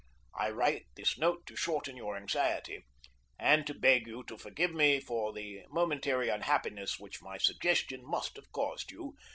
I write this note to shorten your anxiety, and to beg you to forgive me for the momentary unhappiness which my suggestion must have caused you.